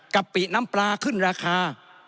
ะปิน้ำปลาขึ้นราคา